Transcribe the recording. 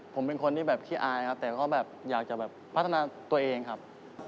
ผมเป็นคนที่แบบคลี้อายแต่ก็อยากจะพัฒนาตัวเองครับ